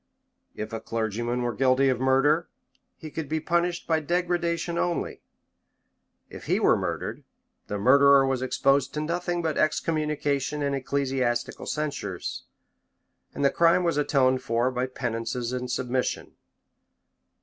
If a clergyman were guilty of murder, he could be punished by degradation only: if he were murdered, the murderer was exposed to nothing but excommunication and ecclesiastical censures; and the crime was atoned for by penances and submission.